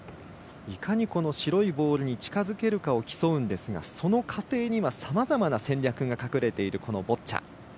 いかに白いボールに近づけるかを競うんですがその過程にはさまざまな戦略が隠れているボッチャ。